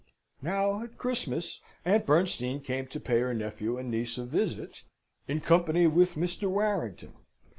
Now, at Christmas, Aunt Bernstein came to pay her nephew and niece a visit, in company with Mr. Warrington.